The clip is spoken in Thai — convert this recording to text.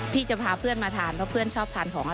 พี่จะพาเพื่อนมาทานเพราะเพื่อนชอบทานของอาหาร